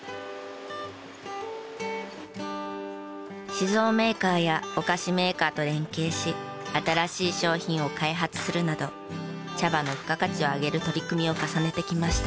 酒造メーカーやお菓子メーカーと連携し新しい商品を開発するなど茶葉の付加価値を上げる取り組みを重ねてきました。